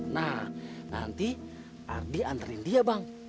nah nanti ardi antarin dia bang